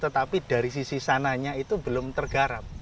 tetapi dari sisi sananya itu belum tergarap